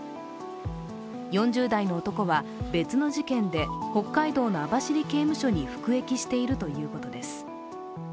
４０代の男は別の事件で北海道の網走刑務所に服役しているということです。